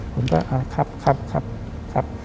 ผมก็ครับครับครับ